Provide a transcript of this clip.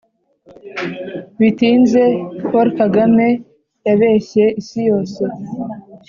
bitinze: paul kagame yabeshye isi yose